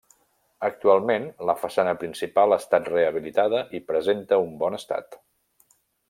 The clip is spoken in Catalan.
Actualment la façana principal ha estat rehabilitada i presenta un bon estat.